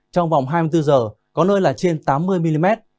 trong vòng hai mươi bốn h có nơi là trên tám mươi mm